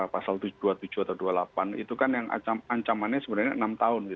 pasal dua puluh tujuh atau dua puluh delapan itu kan yang ancamannya sebenarnya enam tahun